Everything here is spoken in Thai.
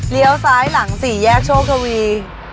เลี้ยวซ้ายหลัง๔แยกโชคราวี